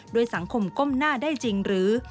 โดยสังคมก้มหน้าได้จริงหรือ